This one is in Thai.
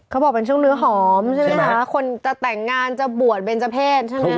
เขาบอกเป็นช่วงเนื้อหอมใช่ไหมคะคนจะแต่งงานจะบวชเป็นเจ้าเพศใช่ไหม